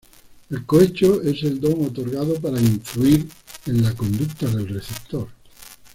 El cohecho es el don otorgado para influir en la conducta del receptor.